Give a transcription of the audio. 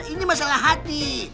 ini masalah hati